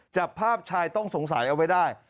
จับภาพชายต้องสงสัยเอาไว้ได้